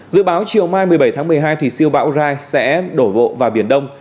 dự báo chiều mai một mươi bảy tháng một mươi hai siêu bão rai sẽ đổ bộ vào biển đông